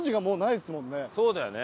そうだよね。